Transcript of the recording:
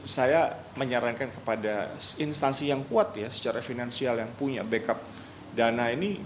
saya menyarankan kepada instansi yang kuat ya secara finansial yang punya backup dana ini